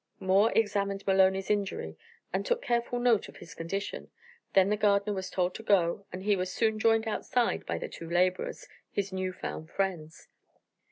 Moore examined Maloney's injury and took careful note of his condition; then the gardener was told to go, and he was soon joined outside by the two laborers his new found friends.